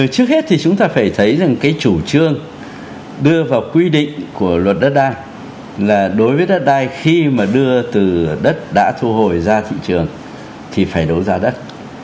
trước hết thì chúng ta phải thấy rằng cái chủ trương đưa vào quy định của luật đất đai là đối với đất đai khi mà đưa từ đất đã thu hồi ra thị trường thì phải đấu giá đất